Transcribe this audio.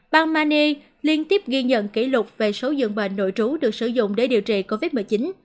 bang mani liên tiếp ghi nhận kỷ lục về số dường bệnh nội trú được sử dụng để điều trị covid một mươi chín